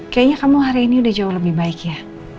kayaknya kamu hari ini udah jauh lebih baik ya